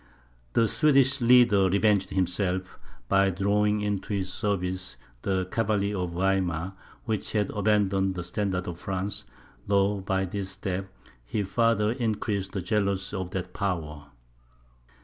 The Swedish leader revenged himself, by drawing into his service the cavalry of Weimar, which had abandoned the standard of France, though, by this step, he farther increased the jealousy of that power.